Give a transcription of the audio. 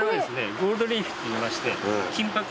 ゴールドリーフっていいまして。